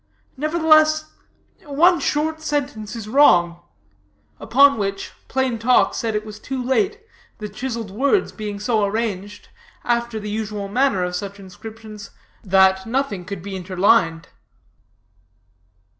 Nevertheless, one short sentence is wanting.' Upon which, Plain Talk said it was too late, the chiseled words being so arranged, after the usual manner of such inscriptions, that nothing could be interlined.